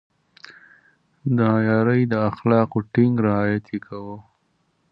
د عیارۍ د اخلاقو ټینګ رعایت يې کاوه.